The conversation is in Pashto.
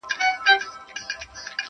-آسمانه چېغو ته مي زور ورکړه-